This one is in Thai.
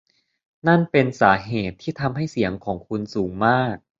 นั่นเป็นสาเหตุที่ทำให้เสียงของคุณสูงมาก